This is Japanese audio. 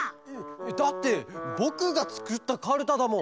だってぼくがつくったカルタだもん。